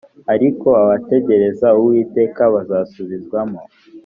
ariko abategereza uwiteka bazasubizwamo